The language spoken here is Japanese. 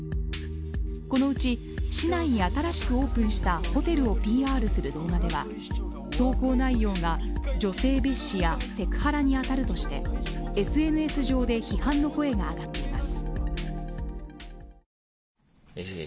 このうち市内に新しくオープンしたホテルをＰＲする動画では、投稿内容が女性蔑視やセクハラに当たるとしてＳＮＳ上で批判の声が上がっています。